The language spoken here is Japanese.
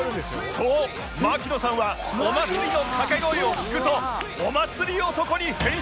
そう槙野さんはお祭りのかけ声を聞くとお祭り男に変身してしまうのだ